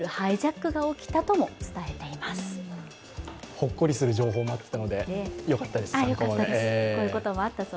ほっこり情報もあったので、よかったです。